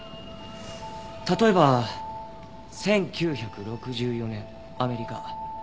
例えば１９６４年アメリカ。